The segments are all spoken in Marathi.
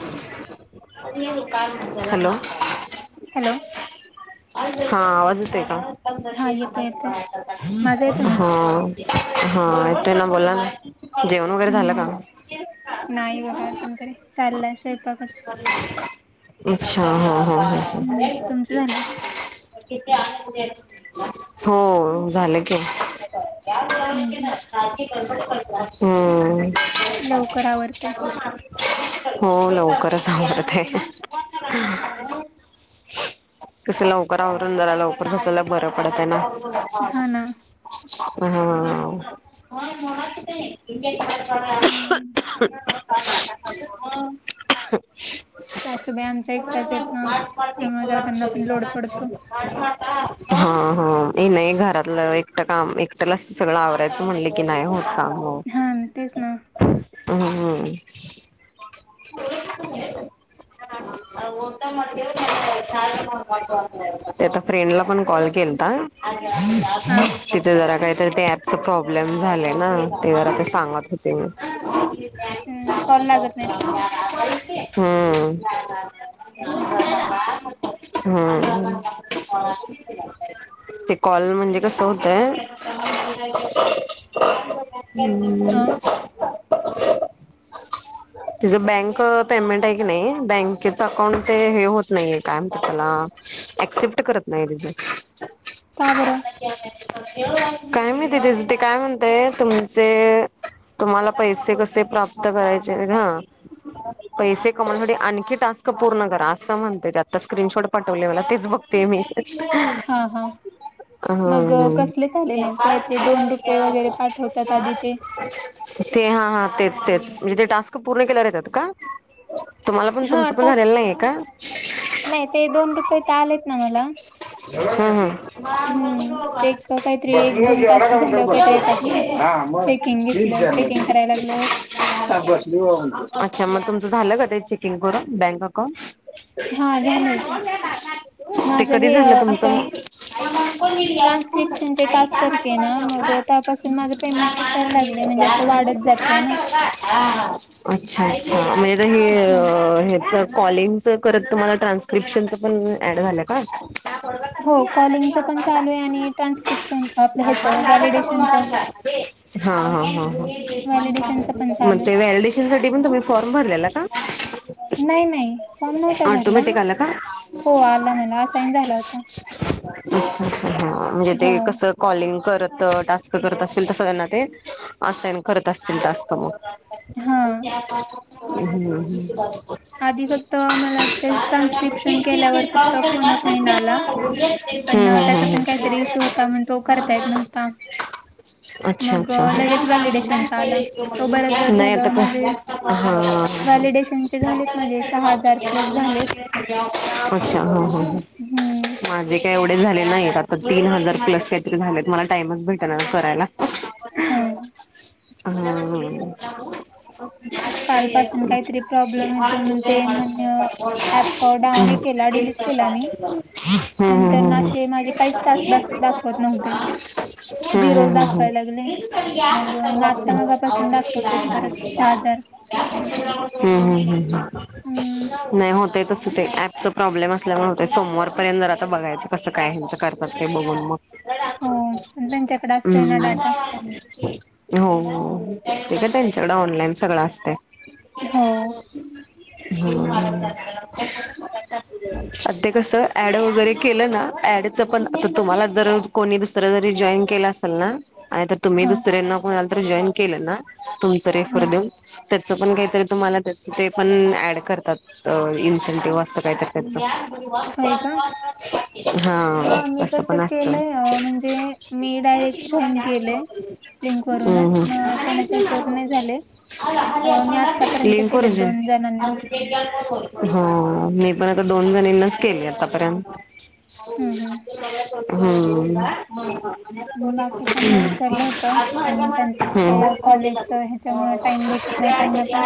हॅलो [unintelligible] हॅलो हा आवाजत आहेेत हा येतोय येतोय माझा येतोय हा [unintelligible] हा तो ना बोला जेवण वगैरे झालं का, हम्म मग नाही बघा अजून तरी, चाललंय स्वयंपाकच अच्छा, हा, हा, हा, हा हम्म तुमचं झालं हो झालं की [unintelligible] हम्म हम्म लवकर आवरते हम्म [unintelligible] हो लवकरच आवडते, कस लवकरआवरून जरा लवकर झपल्याला बरं पडत ना हा ना हा् [unintelligible] हम्म भण [unintelligible] सासूबाई आमच्या, एकटाच येत ना त्यामुळे जरा त्यांना पण लोड पडतो. हा ह नाही घरातलं एकट काम एकटला सगळं आवरायचं म्हणलं [unintelligible] के नाही होत आहो हा, तेच ना ह, हम्म् [unintelligible] ते आता फ्रेंडला पण कॉल केलता. हा तिच जरा काहीतरी ते ॲपच प्रॉब्लेम झालय ना. ते बला ते सांगत होती मग. हम्म, कॉल लागत नाहीत का हम्म. अच्छा. हम्म. ते कॉल म्हणजे कस होतय हम्म. हा तिचं बँक पेमेंट आहे की नाही बँकेच अकाउंट ते हे होत नाहीे काय म्हणत त्याला ॲक्सेप्ट करत नाही तिचं‌. का बर? काय माहिती तेचं ते काय म्हणतय तुमचे तुम्हाला पैसे कसे प्राप्त करायचे हा. [inaudible] पैसे कमवण्यासाठी आणखी टास्क पूर्ण करा असं म्हणत ते आता स्क्रीनशॉट पाठवले मला तेच बघते मी. [inaudible] हा हा मग हम्म अ, हम्म. कसले झाले नाहीत काय ते दोन रुपये वगैरे पाठवतात आधी ते ते हा हा तेच तेच म्हणजे ते टास्क पूर्ण केल्यावर येतात का? तुम्हाला पण हा तुमचं पण टास्क झालेलं नाहीये का? नाही ते दोन रुपये ते आलेत ना मला. [unintelligible] हम्म ते एक काहीतरी एक दोन तास झाल्यावर काहीतरी येतात ना चेकिंग घेतलं चेकिंग करायला लागल्यावर [unintelligible] अच्छा मग तुमच झालं का ते चेकिंग करून बँक अ हा झालंय ते ते माझं कधी हे झालं अ, तुमचं असं मग? ट्रान्स्क्रिप्शनचे टास्क करते ना मग त्यापासून माझं पेमेंट दिसायला लागले म्हणजे असं [unintelligible] वाढत जातंय ना अच्छा अच्छा मजे ते हे हा हेच कॉलिंगच करत तुम्हाला ट्रान्स्क्रिप्शनचं पण ऍड झालं का? हो कॉलिंगचं पण चालू आहे आणि [unintelligible] ट्रान्स्क्रिप्शन आपलं हा ह्याचं व्हॅलिडेशनचं हा हा ह व्हॅलिडेशनचं पण मग चालू ते आहे वॅलिडे डीपण तुम्ही फॉर्म भरलेला का? नाही नाही फॉर्म नव्हता भरला ऑटोमॅटिक आला का? हो आला मला असाईन झाला होता. अच्छा हा हा म्हणजे ते हो कसं? कॉलिंग करत टास्क करत असतील तस त्यांना ते असाइन करत असतील टास्क मग. ह हम्म. हा [unintelligible] आधी फक्त मला वाटतंय ट्रान्स्क्रिप्शन केल्यावर फक्त फोन अ फ्रेंड आला. पण हम्म अ, हम्म त्याचा हम्म. पण काहीतरी इश्यू होता म्हणून तो करता येत नव्हता. अच्छा मग अच्छा अ, हम लगेच व्हॅलिडेशनचा आला. तो बराच दिवस नाही झालं कस माझे हा. व्हॅलिडेशनचे झालेत माझे सहा हजार प्लस झालेत. अच्छा हम्म हम्म हम्म हम्म माझे का एवढे झाले नाहीत आता तीन हजार प्लस काहीतरी झालेत मला टाइमच भेटणा अग करायला. हा. हम्म हम्म. ते कालपासून [unintelligible] काहीतरी प्रॉब्लेम येतोय म्हण ते हम्म म्हण ऍप हम्म डाव हे केला डिलीट केला हम्म मी. नंतर हम्म. ना असे माझे काहीच टास्क हम्म दाखवत नव्हते. हम्म झिरोज दाखवायला लागले. हम्म मग म आता हम्म मगापासून दाखवतेत परत अच्छा. [inaudible] सहा हजार. ह, ह, ह, ह. हम्म. नाही होतय तसं ते. ऍपच प्रॉब्लेम असल्यामुळे होतय. सोमवारपर्यंत जर आता बघायचं. कसं काय हेंच कर तय बघून मग. हो पण त्यांच्याकडे असतोय ना हम्म. डाटा हो. ते का त्यांच्याकड, ऑनलाईन सगळं असतय. हो. हं. आ ते कसं, ऍड वगैरे केलं ना? ऍड च पण आ तुम्हाला जर, कोणी दुसरं जरी जॉईन केलं असेल ना आणि तर तुम्ही हा दुसऱ्यांना कोणाला तर, जॉईन केलं ना. तुमच हा रेफर देऊन त्याचं पण काहीतरी तुम्हाला त्याच, ते पण ऍड करतात. इन्सेंटिव्ह असतं काहीतरी त्याचं. होय का हा. मी तस तसं पण असतं. केलंय अ, म्हणजे मी [inaudible] डायरेक्ट जॉईन केलंय लिंक हम् वरूनच हम. मग कोणाच्या ह्याच्यावरून [inaudible] नाही झाले अ, मी आतापर्यंत केलेत दोन जणांना हो. मी पण आता दोन जनींनाच केले, आतापर्यंत. [inaudible] हम्म हम्. हम्म बाकीच्यांना विचारलं होतं पण [inaudible] हम्, त्यांचंच हम्. काही कॉलेजच [inaudible] ह्याच्यामुळे टाइम भेटत नाही त्यांना पण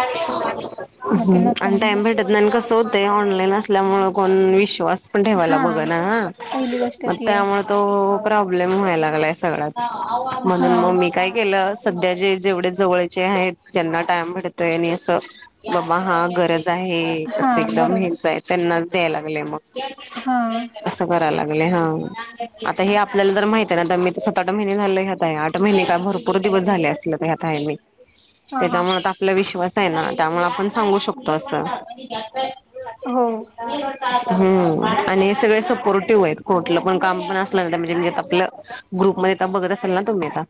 मग ते हम् नको आणि म्हणले टाईम भेट त नाही. कसं होतय. ऑनलाईन असल्यामुळ, कोण विश्वास पण ठेवायला हा बघ ना. ह. पहिली गोष्ट मग ती आहे त्यामुळ तो प्रॉब्लेम व्हाय लागलाय सगळाच. हा म्हणून मग मी काय केलं? सध्या जे, जेवढे जवळचे आहेत. ज्यांना टाइम भेडतोय. आणि असं, बाबा हा गरज आहे. हा असं एकदम बरोबर हेंचय. त्यांनाच, द्याय लागले मग. हा. असं करायला लागले. हा. आता हे आपल्याला जर माहितय ना. तर मी सत - आठ महिने झाले. त्यात ताय. हे आठ महिने का भरपूर दिवस झाले असल. तर ह्यात हाय मी. हा हा त्याच्यामुळे त आपला विश्वासय ना. त्यामुळे आपण सांगू शकतो असं. हो. हम्म. आणि सगळे सपोर्टिव्हयत. कोठलं पण काम पण असलं त्यान म्हणजे, आपलं. ग्रुपमध्ये ता बघत असाल ना, तुम्ही आता.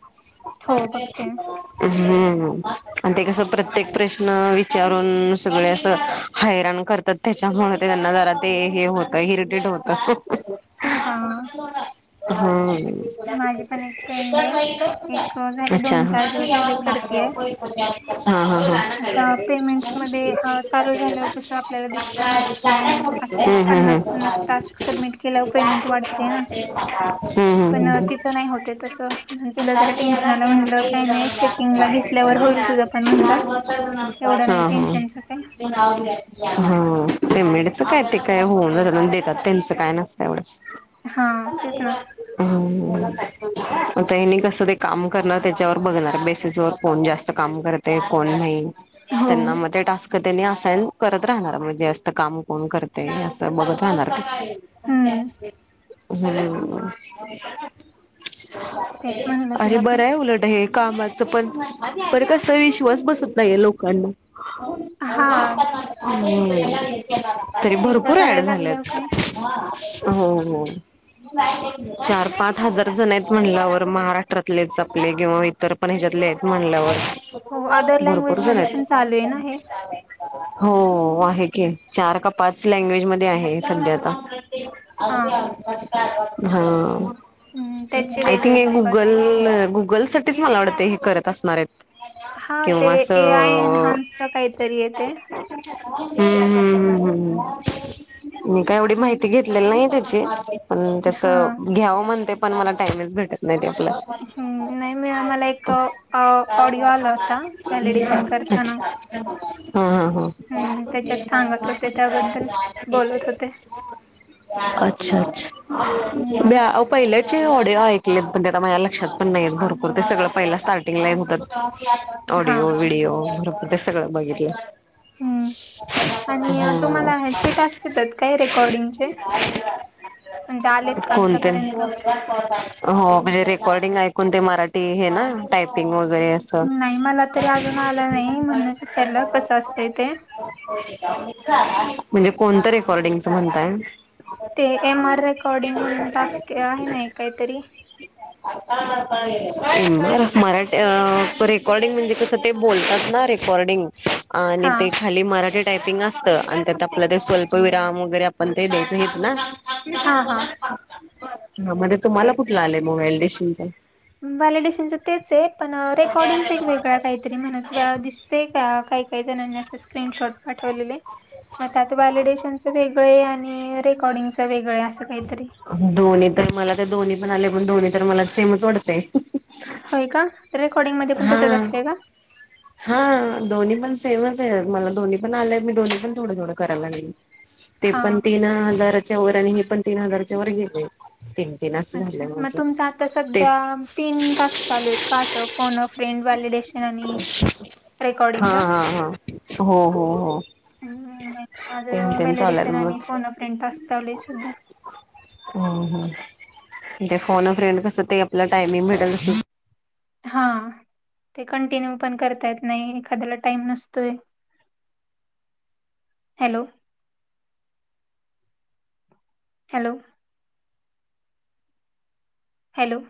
हो बघते हं. ते कसं प्रत्येक प्रश्न, विचारून सगळे असं हैराण करत त. त्याच्यामुळे ते त्यांना जरा, ते हे होतं. इरिटेट होतं. हा माझी पण एक फ्रेंड [unintelligible] हा. आहे एक अ, झाले अच्छा. दोन चार दिवस झाले करतेय हा, आता हा, पेमेंट्स मध्ये हा. अ, चालू झाल्यावर कसं [unintelligible] आपल्याला दिसतं ना हम्म, की असे हम्म, पन्नास पन्नास हम्. टास्क सबमिट केल्यावर हम्म, पेमेंट वाढते ना हम्म, हम्म, पण अ, तिचं नाही होते ह. [inaudible] तसं म्हणून तिला हा, जरा टेन्शन आलं म्हणलं काही नाही चेकिंगला घेतल्यावर होईल तुझं पण म्हणलं एवढं नाही हो. टेन्शनच काय हा. पेमेडच काय? ते काय होऊन देतात. त्यांचं काय नसतं एवढं. हा तेच ना [inaudible] हो. आता हेनी कसं? ते काम करणार, त्याच्यावर बघणार. बेसेसवर. कोण जास्त काम करते? कोण नाही? हो त्यांना म ते टास्क त्यांनी असाइन करत राहणार. म्हणजे जास्त काम कोण करतय? असं बघत राहणार. [unintelligible] हम्. [inaudible] हम्म तेच म्हणलं अरे तिला पण बरंय. उलट हे कामाचं पण. बर कस विश्वास बसत नाहीय लोकांना. हा हम्म. तरी एकदा भरपूर ऍड करायला झालेत. लागल्यावर काय हम्म- हम्म. चार पाच हजार जण आहेत. म्हणल्यावर महाराष्ट्रातलेच आपले किंवा इतर पण ह्याच्यातले आहेत. म्हटल्यावर हो अदर भरपूर लँग्वेज जण मध्ये ये. पण चालू आहे ना हे हो आहे की चार का पाच लँग्वेज मध्ये आहे सध्याता. हा हा. हम्म, त्याचे आय थिंक वेगळे हे लोक असतील. गुगल गुगल साठीच मला वाटत हे करत असणार आहेत. हा ते किंवा ए आय असं एनहान्सच काहीतरी आहे ते. हम्म - हम्म - हम्म - हम्म- हम्म. मी का एवढी हम्म, माहिती घेतलेली नाही त्याची पण त्यास हा. घ्यावं म्हणते. पण मला टाईमच भेटत नाही तेवढा. हम्म नाही म मला एक ऑडिओ [inaudible] आला होता अच्छा व्हॅलिडेशन करताना. हा - हम्म, हा त्याच्यात सांगत होते - त्याबद्दल हा. बोलत होते. [inaudible] अच्छा- अच्छा हम्म, ब पहिल्याचे ऑडिओ ऐकले म्हण माझ्या लक्षात ण नाही भरपर तेगं पहिला स्टार्ट लाईन होतात हा. ऑडिओ व्हिडिओ बरोबर ते सगळं बघितल. हम्म. आणि तुम्हाला ह्याचे हम्म टास्क येतात काय रेकॉर्डिंगचे? म्हणजे आलेत का कोणते आतापर्यंत? हो म्हणजे रेकॉर्डिंग ऐकून ते मराठी हे ना टायपिंग वगैरे अस [inaudible] नाही मला तरी अजून आला नाही म्हणून विचारलं कसं असतंय ते. म्हणजे कोणतं रेकॉर्डिंगच म्हणताय. [inaudible] [inaudible] ते एम आर रेकॉर्डिंग म्हणून टास्क आहे ना एक काहीतरी? मराठी रेकॉर्डिंग म्हणजे कसं ते बोलतात ना रेकॉर्डिंग आणि हा. ते खाली मराठी टायपिंग असत आणि त्यात आपलं ते स्वल्प विराम वगैरे आपण ते द्यायचं हेच ना? हा -हा. हा मण तुम्हाला कुठला आलाय व्हॅलिडेशनच? व्हॅलिडेशनच तेच आहे पण रेकॉर्डिंग एक वेगळ्या काही तरी मनात व दिसतेय का काही- काही जणांनी असं स्क्रीनशॉट पाठवलेले. मग आता व्हॅलिडेशनच वेगळं आहे आणि रेकॉर्डिंगचं वेगळं अस काहीतरी. दोन्ही तर मला तर दोन्ही पण आले पण दोन्ही तर मला सेमच वाटतेय. होय का तर रेकॉर्डिंग मध्ये पण तसच असते का? हा दोन्ही पण सेमच आहे. मला दोन्ही पण आलेय मी दोन्ही पण थोडं- थोडं करायला लागली. ते हा पण तीन हजाराच्या वर आणि हे पण तीन हजारच्या वर गेले तीन- तीन असं अच्छा झालंय मग माझं तुमच आता ते सध्या तीन टास्क चालू आहेत का असं फोना फ्रेंड वॉलिडेश ना आणि हा- रेकॉर्डिंगचा हा - हा. हो - हो - हो. हम्म नाही तेन माझं तेन चालेल व्हॅलिडेशन मग. आणि फोना फ्रेंड टास्क चालू आहे सध्या. हम्म - हम्म. म्हणजे फोन फ्रेंड कस ते आपला टायमिंग भेटल अस? हा. ते कंटिन्यू पण करता येत नाही. एखाद्याला टाइम नसतोय. हॅलो. हॅलो. हॅलो